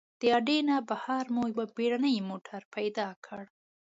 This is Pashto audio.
د اډې نه بهر مو یو بېړنی موټر پیدا کړ.